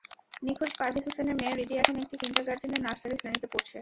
নিখোঁজ পারভেজ হোসেনের মেয়ে হৃদি এখন একটি কিন্ডারগার্টেনে নার্সারি শ্রেণিতে পড়ছে।